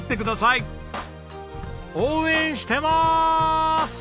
応援してます！